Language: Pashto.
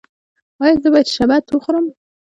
ایا زه باید شبت وخورم؟